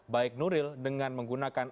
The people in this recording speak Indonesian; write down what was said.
baik nuril dengan menggunakan